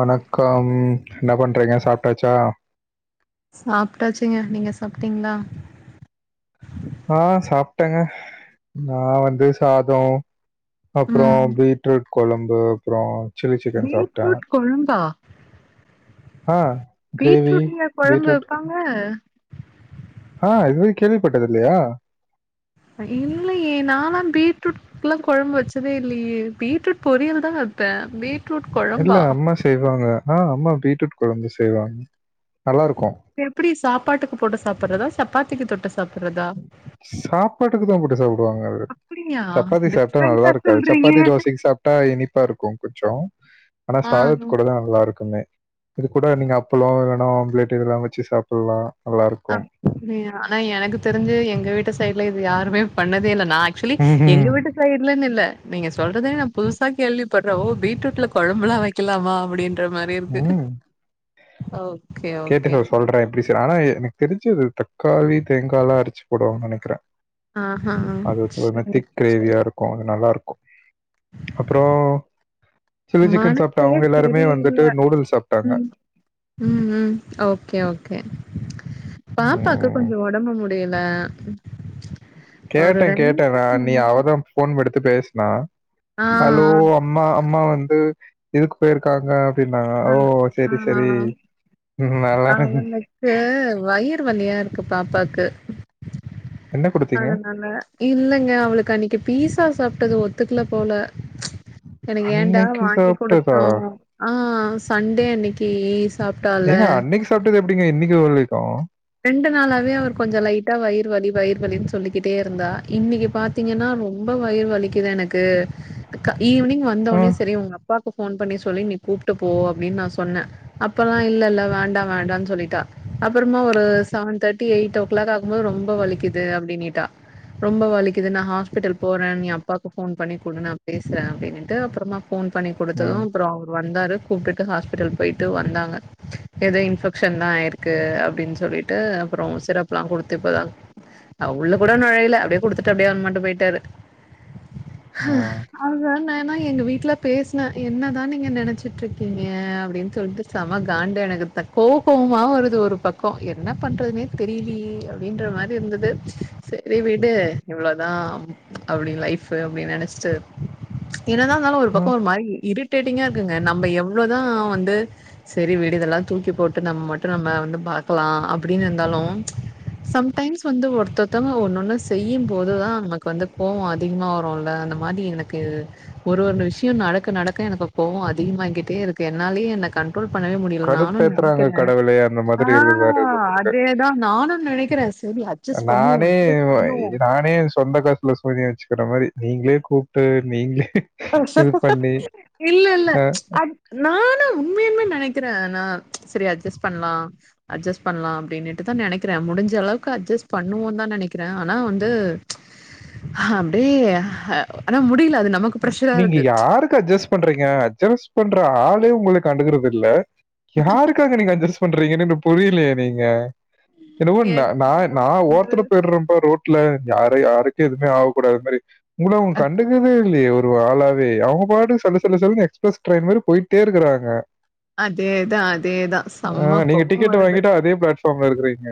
வணக்கம் என்ன பண்றீங்க சாப்டாச்சா சாப்டாச்சிங்க நீங்க சாப்டீங்ளா ஆ சாப்டேங்க நா வந்து சாதோ அப்றோ ம் பீட்ரூட் கொழம்பு அப்றோ சில்லி சிக்கன் சாப் ரூட் கொழம்பா ஆ கிரேவி, பீட்ரூட்லயா கொழம்பு பீட்ரூட் வெப்பாங்க ஆ இது வரை கேள்விப்பட்டதில்லையா இல்லையே நாலாம் பீட்ரூட் ட்லாம் கொழம்பு வெச்சதே இல்லியே பீட்ரூட் பொரியல் தா வெப்பே பீட் தெர்ல அம்மா செய்வாங்க ஆ அம்மா பீட்ரூட் கொழம்பு செய்வாங் நல்லாருக்கு எப்புடி சாப்பாட்டுக்கு போட்டு சாப்புட்றதா சப்பாத்திக்கு தொட்டு சாப்புட்றதா சாப்பாட்டுக்கு தா போட்டு சாப்புடுவாங்க அது அப்டியா சப்பாத்திக்கு சாப்ட்டா டிஃப்ரெண்டா நல்லாருக்காது சொல்றீங்க சப்பாத்தி தோசைக்கு சாப்ட்டா இனிப்பா இருக்கு கொஞ்சோம் ஆனா ஆ சாதத்து கூடதா நல்லா இருக்குமே இது கூட நீங்க அப்பளோ இல்லன்னா ஆம்ளேட்டு இதெல்லா வெச்சி சாப்புல்லா நல்லாருக்கு அப்டியா ஆனா எனக்கு தெரிஞ்சி எங்க வீட்டு சைட்ல இது யாருமே பண்ணதே இல்ல நா ஆக்சுவலி எங்க ம்ஹ்ம். வீட்டு இதுல இல்லன்னு இல்ல நீங்க சொல்றதே நா புதுசா கேள்விப்பட்ற ஓ பீட்ரூட்ல கொழம்பெல்லா வெக்கலாமா அப்டின் ன்‌ற மாரி இருக்கு ம். இதுல ஆனா எனக்கு தெரிஞ்சி இதுக் தக்காளி தேங்கால்லா அரச்சி போடுவாங்கன்னு நெனைக்கிறே ஆஹா அது ஒருமா சரி திக் சரி கிரேவியா இருக்கு அது நல்லாருக்கு அப்றோ சில்லி சிக்கன் சாப்டே மனசே அவுங்க எல்லாருமே சரியில்ல வந்துட்டு நூடுல் சாப்டாங்க ம் ம் ம் ஓகே ஓகே பாப்பாக்கு ம். கொஞ்சோ ஒடம்பு முடி டியல கேட்டே கேட்டே நா நீ அவதா ஃபோன் எடுத்து பேசுனா ஆ ஹலோ அம்மா அம்மா வந்து இதுக்கு பேயிருக்காங்க அப்டின்னாங்க ஆ ஓ ஆ சேரி ஆ சேரி ஆ ம் ம் நல்லாரு அது வயிறு வலியா இருக்கு பாப்பாக்கு என்ன குடுத்தீங்க? அதனால இல்லங்க அவளுக்கு அன்னைக்கு பீஸா சாப்ட்டது ஒத்துக்கல போல எனக்கு ஏன்டா அன்னைக்கு வாங்கி சாப்ட்டதா? குடுத்தோ ஆ ஆ சண்டே அன்னைக்கி ஏங்க அன்னைக்கி சாப்ட்டது எப்டிங்க இன்னிக்கி வலிக்கு ரெண்டு நாளாவே அவர் கொஞ்சோ லைட்டா வயிறு வலி வயிர் வலின் சொல்லிக்கிட்டே இருந்தா இன்னிக்கு பா பாத்தீங்கன்னா ரொம்ப வயிறு வலிக்குது எனக்கு கா ஈவினிங் வந்த ஆ. உன்னே சரி உங்க அப்பாக்கு ஃபோன் பண்ணி சொல்லி நீ கூப்ட்டு போ அப்டின் நா சொன்னன் அப்பல்லாம் இல்லல்ல வேண்டா வேண்டான்னு சொல்லிட்டா அப்புறமா ஒ ரு seven thirty eight o'clock ஆகும் போ ரொம்ப வலிக்குது அப்டின்னிட்டா ரொம்ப வலிக்குது நா ஹாஸ் பிட்டல் போறேன் நீ அப்பாக்கு ஃபோன் பண்ணி குடு நான் பேசுறன் அப்டின்ட்டு அப்புறமா ஃபோன் பண்ணி ம். குடுத்ததும் அப்புறம் அவரு வந்தாரு கூப்டுட் [unintelligible] ஹாஸ்பிட்டல் போயிட்டு வந்தாங்க ஏதோ இன்ஃபெக்க்ஷன் தான் ஆயிருக்கு அப்டின் சொல்லிட்டு அப்புறோம் சிரப்லாம் குடுத்து இப்போதான் அவ உள்ள கூட நொழையல அப்டியே குடுத்துட்டு அப்டியே அ [unintelligible] பேயிட்டாரு ஆ அதான நா எங்க வீட்ல பேசுன என்னதான் நீங்க நெனச்சிட்ருக்கீங்க அப்டின் சொல்ட்டு சம‌ காண்டு எனக்கு த கோவ கோவமா வருது ஒரு பக் கோ என்ன பண்றதுனே தெரியிலியே அப்டின்ற மாரி இருந்துது செரி விடு இவ்ளோ தா அப்டி லைஃப்பு அப்டி நெனைச்சிட்டு என்னதா இருந்தாலும் ஒரு பக்கோ ம் ஒரு மாரி இரு ட்டேட்டிங்கா இருக்குங்க நம்ம எவ்வளோதான் வந்து செரி விடு இதெல்லாம் தூக்கி போட்டு நம் மட்டும் நம்ம வந்து பாக்கலா அப்புடின் இருந்தாலும் சம்டைம்ஸ் வந்து ஒருத்தத்தங்க ஒன்னொன்னு செய்யும் போதுதான் நமக்கு வந்து கோவம் அதிகமா வருன்ல்ல அந்த மாதி எனக்கு ஒரு ஒரு விஷயம் நடக்க நடக்க எனக்கு கோவம் அதிகமாயிகிட்டே இருக்கு என்னாலே என்ன கண் கண்ட்ரோல் பண்ணவே முடியல நானும் கடுப்பேத்துறாங்க நெனைக்கிறேன் கடவுளே அந்த ஆ மாதிரி இருக்குது வேற ஆ இது உங்களுக்கு அதேதா நானு நெனக்கிறே சரி அட்ஜஸ் பண்ணுவோ நானே அட்ஜஸ் பண்ணுவோ நானே உஸ் சொந்த காசுல சூனியோ வச்சுக்கற மாரி நீங்களே கூப்ட்டு நீங்களே இது பண்ணி இல்ல இல்ல அ அது நானா உண்மையும நெனக்கிறே நா சரி அட்ஜஸ் பண்லா அட்ஜஸ் பண்ணலா அப்டின்னுட்டுதா நெனக்கிறே முடிஞ்ச அளவுக்கு அட்ஜஸ் பண்ணுவோ தா நெனக்கிறே ஆனா வந்து அப்டியே ஆனா முடியல அது நம் நீங்க யாருக்கு அஜஸ் பண்றீங்க அட்ஜஸ் பண்ற ஆளே உங்கள கண்டுகறதில்ல யாருக் காக நீங்க அட்ஜஸ்ட் பண்றீங்கன்னு புரியலயே நீங்க என்னவோ நா என்ன நா ஓரத்துல பண்றது போய்ற பாரு ரோட் ல யார யாருக் எதுமே ஆக கூடாத மாரி உங்கள அவுங்க கண்டுக்கவே இல்லயே ஒரு ஆளாவே அவுங்க பாட்டுக்கு சல்லு சில்லுனு எக்ஸ்பிரஸ் ட்ரெயின் மாதி போய்ட்டே இருக்கறாங்க அதேதா அதேதா செம்ம கோவொ வருது கோவமா இருக்றீங்க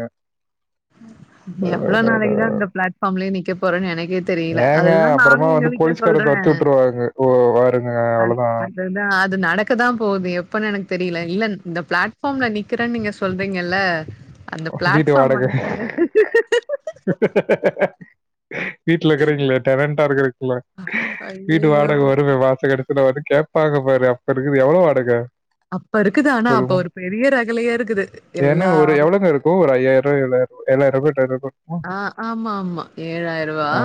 எவ்ளோ நாளைக்கிதா இந்த பிளாட்ஃபாம்லயே நிக்கே போறேனு எனக்கே தெரியல அதுதா நானு எங்க வீட்ல சொல் திரும்ப அத்து வுட்ருவாங்க ஓ வாருங்க அது அவ்ளோ தா அதுதா அது நடக்கதா போகுது எப்பன்னு எனக்கு தெரியல இல்ல இந்த பிளாட்ஃபாம்ல நிக்றேனு நீங்க சொல் சொல்றீங்கல்ல அந்த வீட்டு பிளாட்ஃபாம் வாடகை. வந்து வீட்ல இருக்றீங்களே டேலண்டா இருக்கறதுக்கிள்ள வீட்டு ஐயையோ! வாடக வருமே வாச கடு கூட வந்து கேட்பாங்க பாரு அப்ப இருக்குது எவ்ள வாடக அப்ப இருக்குது ஆனா அப்ப ஒரு பெரிய ரகலயா இருக்குது எல்லா இருக்கு ஒரு ஐயாயிர ஏழாயிர ஏழாயிர எட்டாயிர ஆ ஆமா ஆமா ஏழாயிரவா ஆ.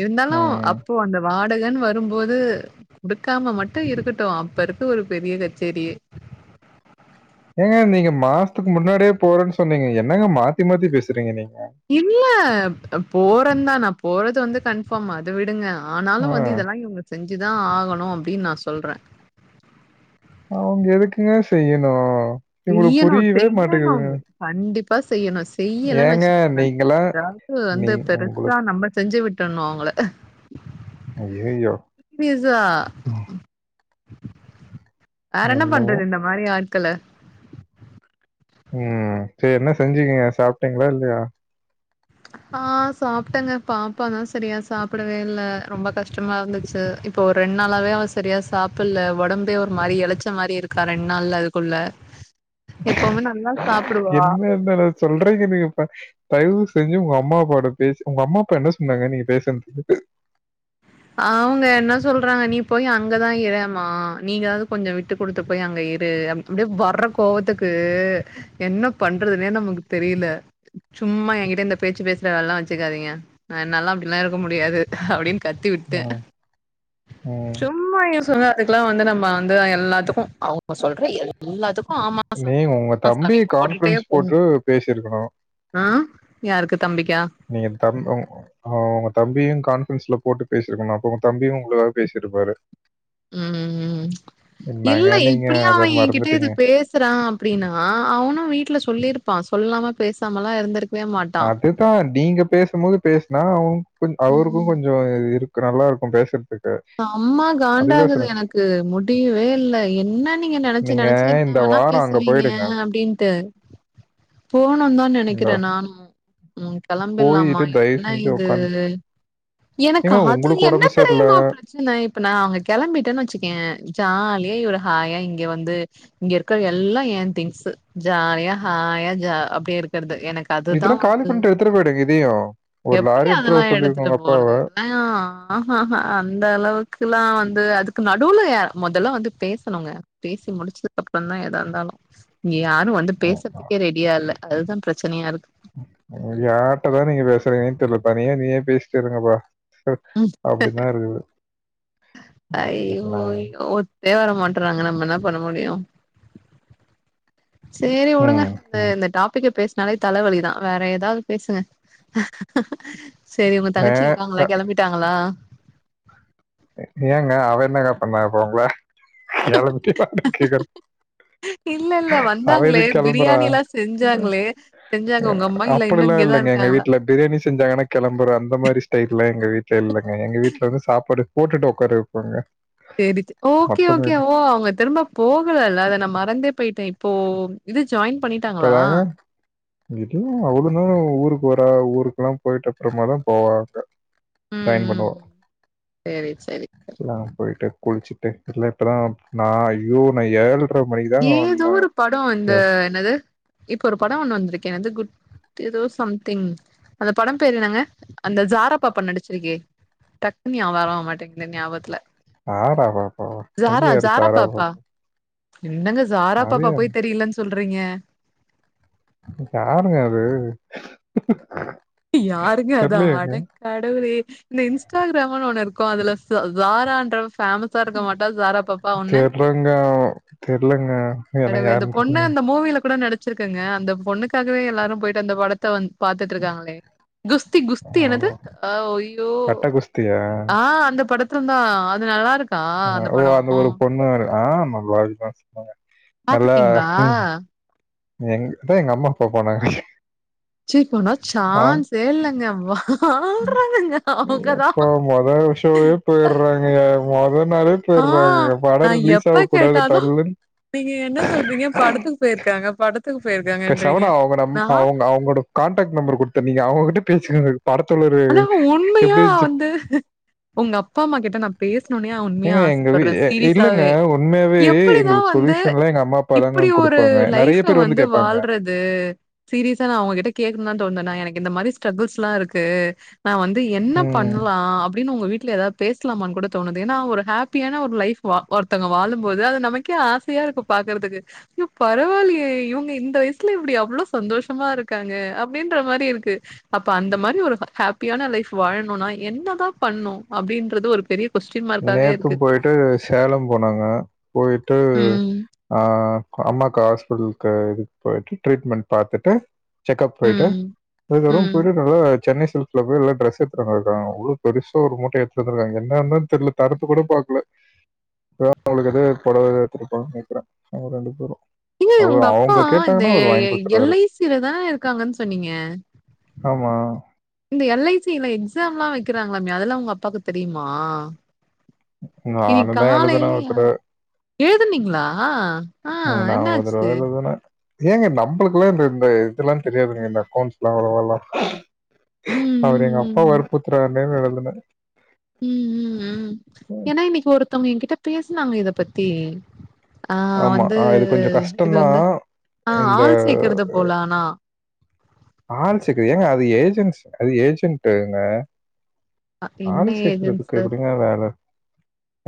இருந்தாலு ம். அப்போ அந்த வாடகன் வரும்போது குடுக்காம மட்டு இருக்கட்டு அப்ப இருக்கு ஒரு பெரிய கச்சேரியே ஏங்க நீங்க மாசத்துக்கு முன்னாடியே போறேனு சொன்னிங்க என்னங்க மாத்தி மாத்தி பேசறிங்க நீங்க இல்ல போறந்தா நா போறது வந்து கன் ஃபார்ம் அத விடுங்க ஆ. ஆனாலு வந்து இதெல்லா இவுங்க செஞ்சுதா ஆகணு அப்டின் நா சொல்ற அவுங்க எதுக்குங்க செய்யணு செய்யணு செய்யணு கண்டிப்பா செய்யணு செய்யலன் ஏங்க வெச்சுக்கங்ளே நீங்கலாம் எதாது நீ வந்து பெருசா உங்களுக்கு நம்ம செஞ்சு விட்டர்ணு அவுங்கள ஐய்யயோ வேறென்ன என்னமோ! பண்றது இந்த மாரி ஆட்கள ம் செரி என்ன செஞ்சிங்க சாப்ட்டிங்ளா இல்லையா ஆ சாப்ட்டங்க பாப்பதா சரியா சாப்டவே இல்ல ரொம்ப கஷ்டமா இருந்துச்சு இப்ப ஒரு ரெண் நாளாவே அவ சரியா சாப்புல்ல ஒடம்பே ஒரு மாரி எலச்ச மாரி இருக்கா ரெண் நாள்ல அதுக்குள்ள எப்பவுமே நல்லா சாப்டுவா என்னென சொல்றிங்க நீங்க ப தயவு செஞ்சு உங்க அம்மா அப்பாவோட பேசு உங்க அம்மா அப்பா என்ன சொன்னாங்க நீங்க பேசுறதுக்கு அவங்க என்ன சொல்றாங்க நீ போய் அங்கதா இரேமா நீங்களாவது கொஞ்ச விட்டு குடுத்து போய் அங்க இரு அப் டியே வர்ற கோவத்துக்கு என்ன பண்றதுனே நமக்கு தெரில சும்மா எங்கிட்ட இந்த பேச்சு பேசுற வேலல வெச்சுக்காதிங்க நா என்னால்லா அப்டிலா இருக்க முடியாது அப்டின்னு கத்தி விட்டே ம், ம். சும்மா அதுக்கெலா வந்து நம்ம வந்து எல்லாத்துக்கு அவுங்க சொல்ற எல்லாத்துக்கு ஆமா நீ உங்க ஆமா சாமி தம்பிய போட்டுட்டே கான்ஃபிரன்ஸ் போணு போட்டு பேசிருக்கணு ஆ யாருக்கு தம்பிக்கா நீங்க தம் உங் அவுங்க உங்க தம்பியு கான்ஃபரன்ஸ்ல போட்டு பேசிருக்கணு அப்ப உங்க தம்பியு உங்களுக்காக பேசிருப்பாரு ம் ம் இல்ல என்னங்க நீங்க இப்டியா அவ அத எங்கிட்ட இத மறந்துட்டீங்க. பேசறா அப்டின்னா அவனு வீட்ல சொல்லிருப்பா சொல்லாம பேசாமலா இருந்திருக் அதுதா நீங்க பேசும் போது பேசுனா அவங் அவருக்கு ம் கொஞ்ச இருக் நல்லாருக்கு பேசறதுக் செம காண்டாகுது எனக்கு முடியவே இல்ல என்ன நீங்க நெனச்சு நெனச்சு என்ன இந்த வேனா வாரம் அங்க பேசுவிங்க போயிடுங்க. அப்டின்ட்டு போனுன்தா இந்த நெனைக்கறே நானு ம் கெளம்பில்லாமா போயிட்டு தயவு என்ன செஞ்சு இது உட்காந்து எனக்கு ஏங்க அது உங்களுக்கு என்ன உடம்பு சரியில்ல. தெரியுமா ப்ரச்சன இப்ப நா அங்க கெளம்பிட்டன் வெச்சுக்கயே ஜாலியா இவரு ஹாயா இங்க வந்து இங்க இருக்கிற எல்லா எ திங்ஸு ஜாலியா ஹாயா ஜா அப்டே இருக்கறது எனக்கு அதுதா இதெல்லாம் காலி வந்து பண்ணிட்டு எடுத்துட்டு போயிடுங்க இதையும். ஒரு எப்படி லாரி அதெல்லா வர சொல்லிருங்க எடுத்துட்டு உங்க அப்பாவ. போறது இதெல்லா ஆ ஹ ஹ அந்த அளவுக்குலா வந்து அதுக்கு நடுவுல மொதல்ல வந்து பேசணுங்க பேசி முடிச்சதுக்கு அப்பறந்தா எதா இருந்தாலு இங்க யாரு வந்து பேசறதுக்கே ரெடியா இல்ல அதுதா பிரச்சனையா இருக்கு யார்ட்டதா நீங்க பேசறிங்கனே தெரிலப்பா தனியா நீயே பேசிட்டு இருங்கப்பா அப்டிதா இருக்குது யோ என்ன வே வர மாட்றாங்க நம்ம என்ன பண்ண முடியு சேரி உடுங்க ம். இந்த ம். இந்த டாபிக்க பேச நாலே தலவலி தா வேற ஏதாவுது பேசுங்க செரி உங்க ஏ தங்கச்சி அ இருக்காங்களா கிளம்பிட்டாங்களா ஏங்க அவ என்னங்க பண்ணா இப்ப உங்கள கெலம்பிட்டியானு கேக்கற இல்ல இல்ல வந்தாங்களே எதுக்கு கிளம்புறா? பிரியாணி எல்லா செஞ்சாங்களே செஞ்சாங்க உங்க அம் அப்படில்லா இல்லெங்க எங்க வீட்டுல பிரியாணி செஞ்சாங்கன்னா கெளம்புற அந்த மாதிரி ஸ்டைல் ல்லா எங்க வீட்டுல இல்லங்க எங்க வீட்டுல வந்து சாப்பாடு போட்டுட்டு உக்காரு வப் போங்க செரி ஓகே ஓகேஓ அவங்க திரும்ப போகலல்ல அத நா மறந்தே போயிட்டே இப் போ இது ஜாய்ன் பண்ணிட்டாங்களா இல்ல அவ்ளுன்னா ஊருக்கு வரா ஊருக்கெல்லா போயிட்டு அப்புறமா தா போவாங்க ம் ம் பயன்பண்ணவர் சேரி சேரி அங் போயிட்டு குளிச்சுட்டு இல்ல இப்பல்லா நா ஐயோ நா ஏழு ஏதோ ஒரு படோ இந்த என்னது இப்ப ஒரு படோ ஒண்ணு வந்திருக்கே என்னது குட் ஏதோ சம்திங் அந்த படம் பேரன்னங்க அந்த ஜாரா பாப்பா நடிச்சிருக்கே டக்குனு நியா வரவே மாட்டேங்குது ஞாபத்துல ஆறா பாப்பாவா அது யாரு சாரா பாப்பா என்னங்க ஜாரா அது பாப்பா யாரு? போய் தெரியிலன்னு சொல்றீங்க யாருங்க அது யாருங்க அதா தெர்லயேங்க. அடக் கடவுளே இந்த இன்ஸ்டாகிராமனு ஒண்ணு இருக்கு அதுல சாரான்ற ஃபேமஸ் சா இருக்க மாட்டா சாரா பாப்பா ஒண்ணு தெர்லங்க. தெர்லங்க. அட எனக்கு இந்த யாருன்னு பொண்ணு தெர்லங்க. அந்த மூவில கூட நடிச் சிருக்குங்க அந்த பொண்ணுக்காகவே எல்லாரு போயிட்டு அந்த படத்த வந்து பாத்துட்ருக்காங்களே குஸ்தி குஸ்தி என்னது ஓ! அ அய்யோ கட்ட குஸ்தியா? ஆ அ அந்த படத்துல்தா அது நல்லா இருக் ஓ அந்த ஒரு பொண்ணு ஆம் நல்லாருக்குன் தா சொன்னாங்க நல்லா பாத்துப்பீங்களா எங் இப்பதா எங்க அம்மா அப்பா போனாங்க சி இப்ப நா சான்சே இல்லங்க வா எப்ப மொத விஷமே போயடுறாங்க மொதனால ஆ டுறாங்க படோ நா ரிலீஸ் எப்ப ஆகக் கூடாது கேட்டாலு தட்ர்ல பேயிருக்காங்க படத் பேசவனா அவுங்க அவுங்க அவங்களோட கான்டாக்ட் நம்பர் கொடுத்த நீங்க அவுங்ககிட்ட பேசுக படத்துள்ளரு ஆனா உண்மையா வந்து உங்க அப்பா அம்மா கிட்ட நா பேஸ்ணுனே உண்மையா ஏங்க எங்க வீ ஆசப்படுறே எ இல்லங்க சீரியஸாவே உண்மையாவே எப்டிதா எங்களுக்கு வந்து சொல்யூஷன்லா எங்க அம்மா அப்பா தாங்க இப்டி ஒரு குடுப்பாங்க. நெறைய லைஃப்ப பேர் வந்து கேப்பாங்க. வாழ்றது இது சீரியஸா நா அவுங்ககிட்ட கேக்குனுன் தா தோனுது எனக்கு இந்த மாரி ஸ்ட்ரகுள்ஸ்ல்லா இருக்கு நா வந்து என்ன ம் பண்லா அப்டின் உங்க வீட்ல ஏதாது பேசலாமான்னு கூட தோணுது ஏன்னா ஒரு ஹாப்பியான ஒரு லைஃப் ஒருத்தவங்க வாழும்போது அது நமக்கே ஆசையா இருக்கு பாக்கற்துக்கு பரவால்லியே இவுங்க இந்த வயசுல இப்டி அவ்ளோ சந்தோஷமா ருக்காங்க அப்டின்ற மாரி இருக்கு அப்ப அந்த மாரி ஒரு ஹாப்பியான லைஃப் வாழனுன்னா என்னதா பண்ணு அப்டின்றது ஒரு பெரிய கொஸ்டின் மார்க்காவே இருக்கு. நேத்தும் போயிட்டு சேலம் போனாங்க போயிட்டு ம். ஆ அம்மாக்கு ஹாஸ்பிட்டலுக்கு இதுக்கு போயிட்டு ட்ரீட்மெண்ட் பாத்துட்டு செக்கப் போய்ட்டு ம். பிகரும் ம். பிடுனா சென்னைசில்க் இப்ப போய் எல்ல டிரெஸ் எடுத்துட்டு வந்துருக்காங்க அவ்ளோ பெருசா ஒரு மூட்ட ஏடுத்துட்டு வந்துருக்காங்க என்னன்ன தெர்ல தடுப்பு கூட பாக்ல அவுளுக்கு எதோ போடவ எடுத்துருப்பாங்க நெனக்கிறே அவுங்க ரெண்டு பேரு இல்ல உங்க அப்பா இந்த எ எல் குடுத்துருவாரு. ஐ சி ல தான இருக்காங்கன்னு சொன்னீங்க ஆமா இந்த எல் ஐ சி ல எக்ஸாம்லா வைக்கிறாங்களா மே அதெல்லா உங்க அப்பாக்கு தெரியுமா இனி நானு தான் காலைல எழுதுனேன் ஒரு தடவ. யார் எழுதுனீங்ளா ஆ நா ஒரு தரவ எழுதுனே ஏங்க நம்பளுக்குல்லா இந்த இந்த இதுல்லா தெரியாதுங்க இந்த அக்கவுண்ட்ஸ்ல்லா வருவல்லா ம் அவர் எங்க அப்பா ம் வர்ப்புர்த்துர்னே எழுதுனே ம் ம் ம் ஏன்னா இன்னைக்கு ஒருத்தங்க எங்கிட்ட பேஸ்னாங்க இத பத்தி ஆ ஆமா. வந்து ஆ, இது கொஞ்சம் இது கஷ்டம் வந்து தான். ஆ இந்த ஆள் சேக்கறது போல ஆனா ஆள் சேக்றது ஏங்க அது ஏஜென்ஸ் அது ஏஜென்டுங்க அ என்ன ஆள் சேக்கறதுக்கு ஏஜென்ட்ஸு எப்டிங்க வேல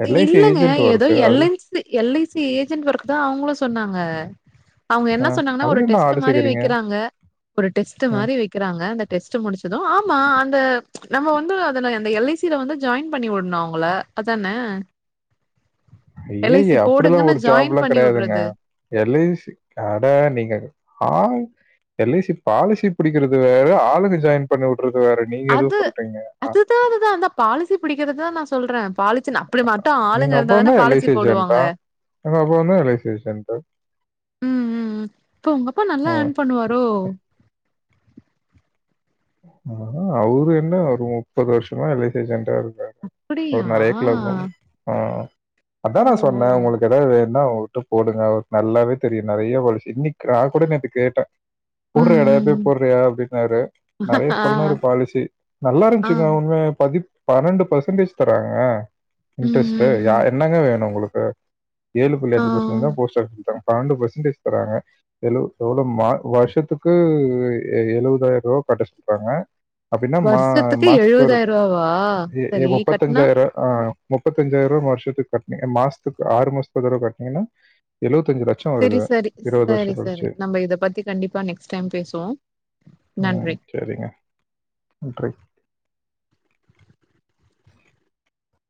எல் ஐ சி இல்லங்க ஏஜென்டு ஏதோ ஒர்கு எல் அதுல I L I C agent ஓக்குதா அவுங்களு சொன்னாங்க அவுங்க ஆ, என்ன சொன்னாங்கன்னா ஒரு அதுல என்ன டெஸ்ட்டு ஆள் மாரி சேர்க்குறீங்க வைக்கிறாங்க ஒரு டெஸ்டு மாரி வைக் குறாங்க அந்த டெஸ் முடிச்சது ஆமா அந்த நம்ம வந்து அந்த அதுல எல் ஐ சி ல வந்து ஜாயின் பண்ணிவுட்னு அவுங்கள அதான எல் ஐ சி ஐய்ய அப்டிலாம் போடுங்கன்னு ஒரு ஜாயின் ஜாப்லா பண்ணி கெடையாதுங்க விடுறது எல் ஐ சி அட நீங்க ஆள் எல் ஐ சி பாலிசி பிடிக்றது வேற ஆளுங்க ஜாயின் பண்ணி வுட்றது வேற நீங்க எதுவும் அது சொல்றீங்க ஆ, அதுதா அது தா அந்த பாலிசி பிடிக்கிறது தா நா சொல்றே பாலிசினா அப்டி மட்டு ஆளுங்க இருந்தாதான பாலிசி போடுவாங்க நம்ப என்ன ரிலேஷன் பா ம் ம் ம் இப்ப உங்கப்பா நல்லா ஏர்ன் பண்ணுவாரோ ஆ அவுரு என்ன ஒரு முப்பது வருஷமா எல் ஐ சி ஏஜென்டா இருக்காரு அவரு அப்படியா நெறைய க்லபும் ஆ அதா ஓ நா ஓ சொன்னே உங்களுக்கு ஏதாவது வே னா அவுங்ககிட்ட போடுங்க அவருக்கு நல்லாவே தெரியு நேறைய பாலிசி இன்னைக்கு நா கூட நேத்து கேட்டே ம் போட்ரியாடா ம் இப்பவே ம். போட்ரியா அப்டின்னாரு நேறைய ஆ சொன்னாறு பாலிசி ஆ நல்லாருஞ்சுங்க உண்மயா பதிப் பன்னெண்டு பர்சன்டேஜ் தராங்கங்க ம் இன்ட்ரெஸ்ட்டு ம் யா ம் என்னங்க வேணு உங்ளுக்கு ஏழு புள்ளி ஆ அஞ்சு பர்சன் தா போஸ்ட் ஆபிஸ்ல தராங்க பன்னெண்டு பர்சன்டேஜ் தராங்க எழு எவ்ளோ மா வருஷத்துக்கு எழுவதாயர் ரூவா கட்டச் சொல்றாங்க அப்டின்னா மா வருஷத்துக்கு மாசத்துக்கு ஒரு எழுவதாயிரூவாவா இ சரி கட்னா முப்பத்தஞ்சாயிரோ ரூபா ஆ முப்பத்தஞ்சாயர் ரூவா வருஷத்துக்கு கட்னிங்க மாஸ்த்துக்கு ஆறு மாசத்து ஒரு தர கட்னீங்கன்னா எழுவத்தஞ்சு ரூவா சேரி சேரி சேரி சேரி நம்ம இத பத்தி கண்டிப்பா நெக்ஸ்ட் டைம் பேசுவோ நன்றி சேரிங்க நன்றி